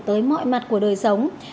tới mọi mặt của đời sống